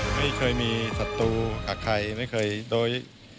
ไม่เคยมีศัตรูกับใครไม่เคยโดย